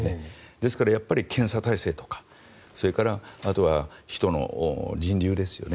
ですから検査体制とかそれから、あとは人流ですよね。